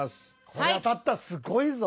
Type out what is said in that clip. これ当たったらすごいぞ。